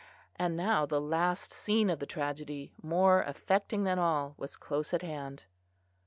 And now the last scene of the tragedy, more affecting than all, was close at hand.